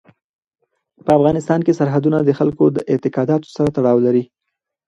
په افغانستان کې سرحدونه د خلکو د اعتقاداتو سره تړاو لري.